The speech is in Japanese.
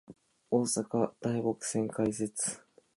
大阪・台北線開設